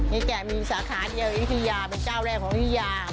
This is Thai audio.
เฮแกะมีสาขาเดียวอยู่ทุยาเป็นสายแรกของทุยา